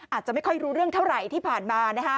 อาจจะไม่ค่อยรู้เรื่องเท่าไหร่ที่ผ่านมา